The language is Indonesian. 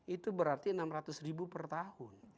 itu berarti enam ratus ribu per tahun